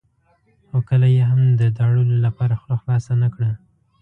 خو کله یې هم د داړلو لپاره خوله خلاصه نه کړه.